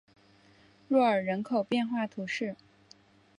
若尔人口变化图示